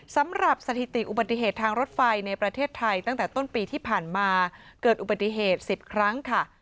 สำหรับสถิติอุบัติเหตุทางรถไฟในประเทศไทยตั้งแต่ต้นปีที่ผ่านมาเกิดอุบัติเหตุ๑๐ครั้งค่ะ